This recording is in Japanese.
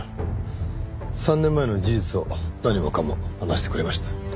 ３年間の事実を何もかも話してくれました。